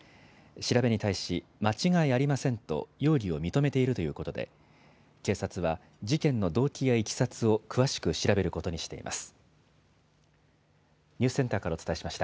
調べに対し、間違いありませんと容疑を認めているということで、警察は事件の動機やいきさつを詳しく調べることにしています。